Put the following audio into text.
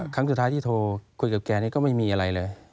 ครั้งสุดท้ายที่โทรคุยกับแกนี่ก็ไม่มีอะไรเลย